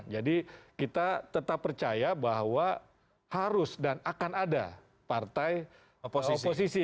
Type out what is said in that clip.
jadi kita tetap percaya bahwa harus dan akan ada partai oposisi